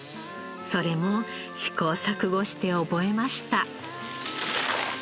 それも試行錯誤して覚えました。